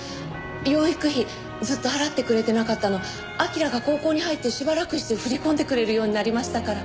養育費ずっと払ってくれてなかったの彬が高校に入ってしばらくして振り込んでくれるようになりましたから。